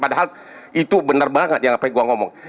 padahal itu benar banget yang apa yang saya ngomong